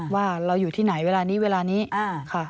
ว่าเราอยู่ที่ไหนเวลานี้เวลานี้ค่ะ